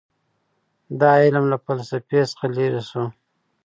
دا علم له فلسفې څخه لیرې سو.